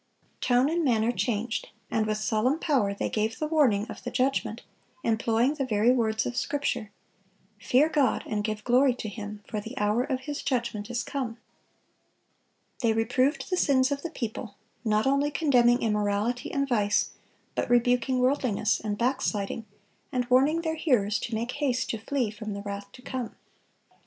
Tone and manner changed, and with solemn power they gave the warning of the judgment, employing the very words of Scripture, "Fear God, and give glory to Him; for the hour of His judgment is come." They reproved the sins of the people, not only condemning immorality and vice, but rebuking worldliness and backsliding, and warning their hearers to make haste to flee from the wrath to come.